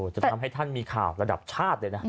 จะทำให้ท่านมีข่าวระดับชาติเลยนะ